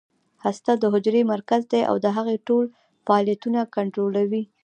هسته د حجرې مرکز دی او د هغې ټول فعالیتونه کنټرولوي